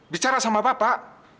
bicara sama bapak